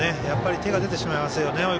やっぱり手が出てしまいますよね